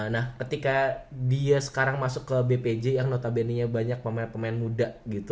nah ketika dia sekarang masuk ke bpj yang notabene nya banyak pemain pemain muda gitu